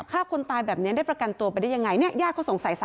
ฆ่าคนตายแบบนี้ได้ประกันตัวไปได้ยังไงเนี่ยญาติเขาสงสัย